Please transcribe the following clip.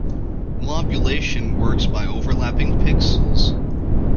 Wobulation works by overlapping pixels.